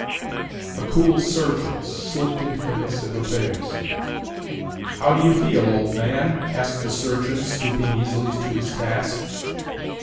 A cool surgeon slipped into the midst of affairs. “How do you feel, old man?” asked the surgeon, stooping easily to his task.